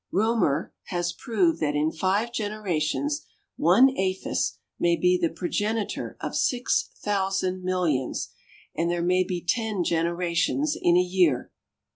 REAUMER has proved that in five generations one aphis may be the progenitor of six thousand millions, and there may be ten generations in a year!